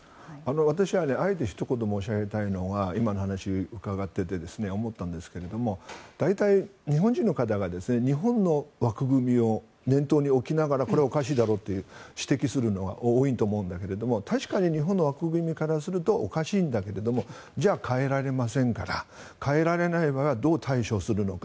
私はあえてひと言申し上げたいのは今の話を伺っていて思ったんですけど大体、日本人の方が日本の枠組みを念頭に置きながらこれはおかしいだろうと指摘するのは多いと思うんだけど確かに日本の枠組みからするとおかしいんだろうけれどじゃあ、変えられませんから変えられないならどう対処するのか。